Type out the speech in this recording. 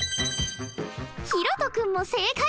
ひろと君も正解！